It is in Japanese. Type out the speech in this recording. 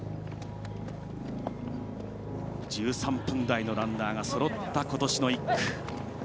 １３分台のランナーがそろったことしの１区。